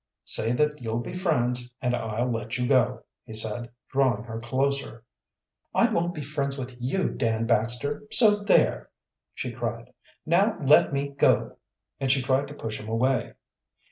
"Say that you'll be friends, and I'll let you go," he said, drawing her closer. "I won't be friends with you, Dan Baxter, so there!" she cried. "Now let me go!" And she tried to push him away.